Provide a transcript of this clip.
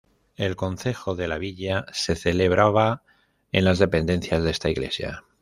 El Concejo de la Villa se celebraba en las dependencias de esta iglesia.